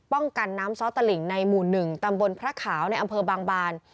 กันน้ำซ้อตลิ่งในหมู่๑ตำบลพระขาวในอำเภอบางบาน